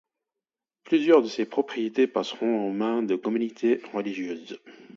Plusieurs de ces propriétés passeront aux mains de communautés religieuses.